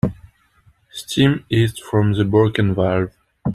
Steam hissed from the broken valve.